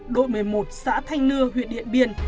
đội một mươi một xã thanh nưa huyện điện biên